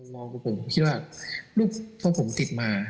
มองกับผมคิดว่าลูกพ่อผมติดมา